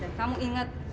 dan kamu ingat